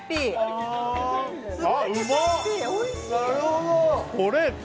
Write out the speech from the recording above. ・なるほど！